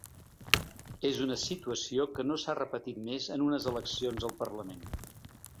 És una situació que no s’ha repetit més en unes eleccions al parlament.